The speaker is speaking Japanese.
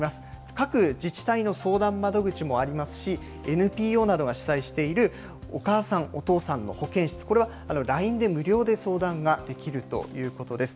各自治体の相談窓口もありますし、ＮＰＯなどが主催している、お母さん・お父さんのほけんしつ、これはＬＩＮＥで無料で相談ができるということです。